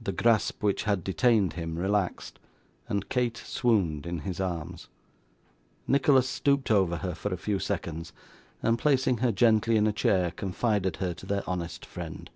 The grasp which had detained him relaxed, and Kate swooned in his arms. Nicholas stooped over her for a few seconds, and placing her gently in a chair, confided her to their honest friend.